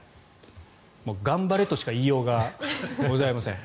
もう頑張れとしか言いようがございません。